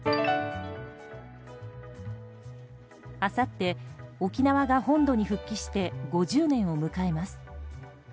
あさって沖縄が本土に復帰して５０年を迎えます。